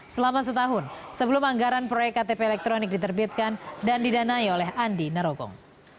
selama setahun sebelum anggaran proyek ktp elektronik diterbitkan dan didanai oleh andi narogong